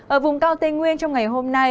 ở vùng cao tây nguyên trong ngày hôm nay